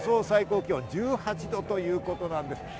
最高気温１８度ということなんです。